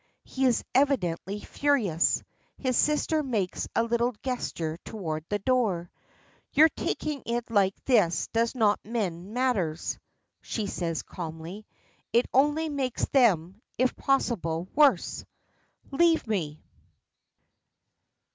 He is evidently furious. His sister makes a little gesture towards the door. "Your taking it like this does not mend matters," she says calmly, "it only makes them, if possible, worse. Leave me!"